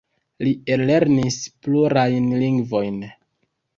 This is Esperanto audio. Li ellernis plurajn lingvojn.